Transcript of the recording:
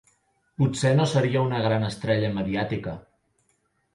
Potser no seria una gran estrella mediàtica.